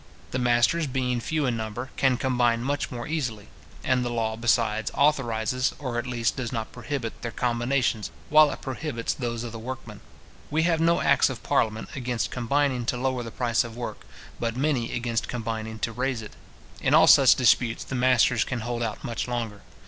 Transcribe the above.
The masters, being fewer in number, can combine much more easily: and the law, besides, authorises, or at least does not prohibit, their combinations, while it prohibits those of the workmen. We have no acts of parliament against combining to lower the price of work, but many against combining to raise it. In all such disputes, the masters can hold out much longer.